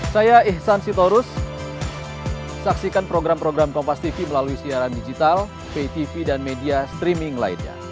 saya ihsan sitorus saksikan program program kompastv melalui siaran digital ptv dan media streaming lainnya